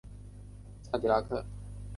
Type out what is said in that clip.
萨迪拉克。